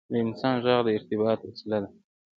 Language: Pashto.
• د انسان ږغ د ارتباط وسیله ده.